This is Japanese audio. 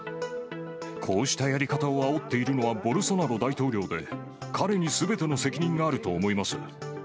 こうしたやり方をあおっているのはボルソナロ大統領で、彼にすべての責任があると思います。